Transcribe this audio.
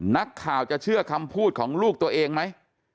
นักข่าวจะเชื่อคำพูดของลูกตัวเองไหม